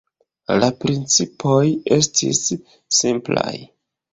La principoj estis simplaj.